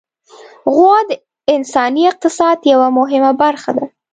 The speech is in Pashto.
غوا د انساني اقتصاد یوه مهمه برخه ده.